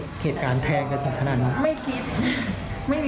คือเขาหาค่าเลยควดนะแต่เขาก็เลิกกันเพราะตกตีกันบ่อย